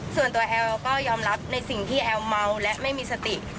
ส่วนตัวแอลก็ยอมรับในสิ่งที่แอลเมาและไม่มีสติ